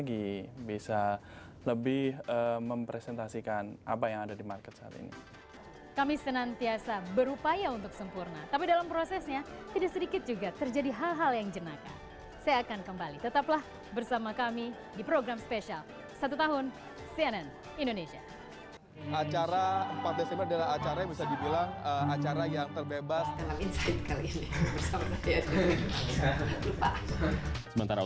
diperlihatkan lebih jauh di seluruh indonesia